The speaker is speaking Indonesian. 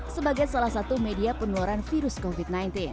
sebagai salah satu media penularan virus covid sembilan belas